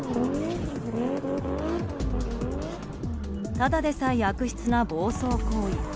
ただでさえ悪質な暴走行為。